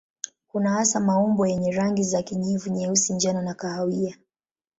Kuna hasa maumbo yenye rangi za kijivu, nyeusi, njano na kahawia.